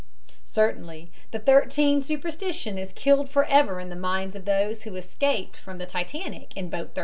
Certainly the 13 superstition is killed forever in the minds of those who escaped from the Titanic in boat 13.